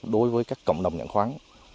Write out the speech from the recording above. đối với các cộng đồng nhận khoáng